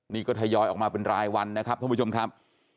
นี่ก็ทยอยออกมาเป็นรายวันนะครับท่านผู้ชมครับ